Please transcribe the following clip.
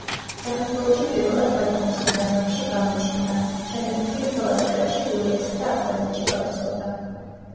საქართველოში პირველად ბათუმის მიდამოებში გამოჩნდა, შემდეგ კი მთელ აჭარაში, გურიასა და აფხაზეთში გავრცელდა.